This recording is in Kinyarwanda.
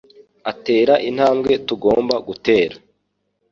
atera intambwe tugomba gutera